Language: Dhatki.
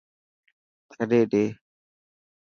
ڇڏي ڏي.